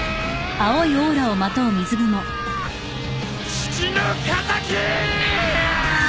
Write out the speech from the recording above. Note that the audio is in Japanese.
父の敵！